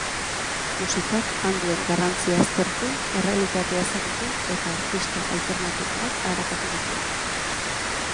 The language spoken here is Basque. Musikak han duen garrantzia aztertu, errealitatea ezagutu eta artista alternatiboak arakatu ditugu.